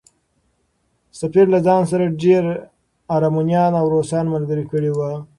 سفیر له ځان سره ډېر ارمنیان او روسان ملګري کړي وو.